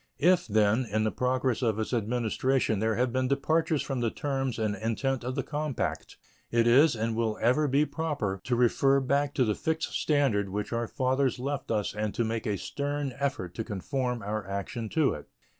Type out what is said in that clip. If, then, in the progress of its administration there have been departures from the terms and intent of the compact, it is and will ever be proper to refer back to the fixed standard which our fathers left us and to make a stern effort to conform our action to it.